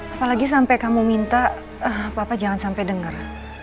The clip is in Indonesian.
apalagi sampai kamu minta papa jangan sampai dengar